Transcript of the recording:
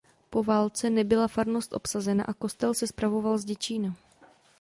Po válce nebyla farnost obsazena a kostel se spravoval z Děčína.